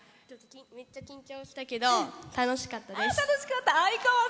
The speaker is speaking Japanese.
めっちゃ緊張したけど楽しかったです。